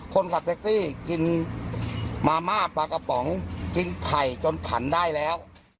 คนขับแท็กซี่กินมาม่าปลากระป๋องกินไข่จนขันได้แล้ว